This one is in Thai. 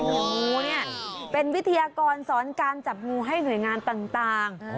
งูเนี่ยเป็นวิทยากรสอนการจับงูให้หน่วยงานต่าง